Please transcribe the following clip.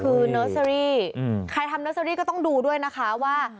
คือเนอร์เซอรี่ใครทำเนอร์เซอรี่ก็ต้องดูด้วยนะคะว่า